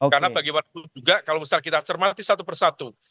karena bagaimanapun juga kalau misalnya kita cermati satu persatu